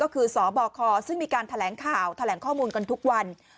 ก็คือสบคซึ่งมีการแถลงข่าวแถลงข้อมูลกันทุกวัน